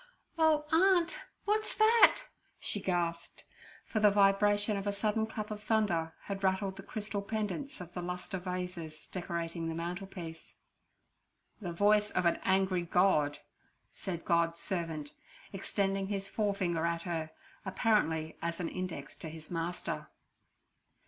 'Oh, aunt, w'at's that?' she gasped, for the vibration of a sudden clap of thunder had rattled the crystal pendants of the lustre vases decorating the mantelpiece. 'The voice of an angry God' said God's servant, extending his forefinger at her, apparently as an index to his Master.